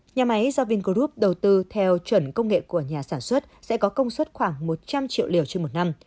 nhà máy do vingroup đầu tư theo chuẩn công nghệ của nhà sản xuất sẽ có công suất khoảng một trăm linh triệu liều trên một năm